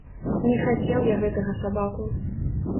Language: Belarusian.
Не хацеў я гэтага сабаку.